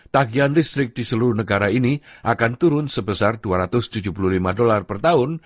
tagihan listrik di seluruh negara ini akan turun sebesar dua ratus tujuh puluh lima dolar per tahun